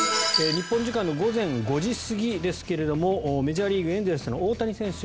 日本時間の午前５時過ぎですがメジャーリーグ、エンゼルスの大谷選手